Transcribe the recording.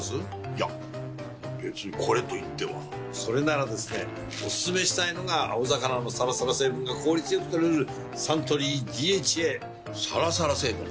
いや別にこれといってはそれならですねおすすめしたいのが青魚のサラサラ成分が効率良く摂れるサントリー「ＤＨＡ」サラサラ成分？